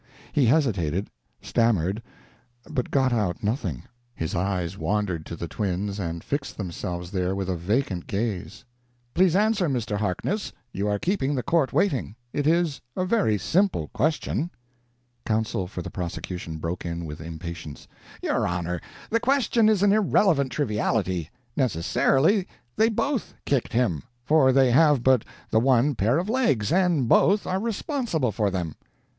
He hesitated, stammered, but got out nothing. His eyes wandered to the twins and fixed themselves there with a vacant gaze. "Please answer, Mr. Harkness, you are keeping the court waiting. It is a very simple question." Counsel for the prosecution broke in with impatience: "Your honor, the question is an irrelevant triviality. Necessarily, they both kicked him, for they have but the one pair of legs, and both are responsible for them."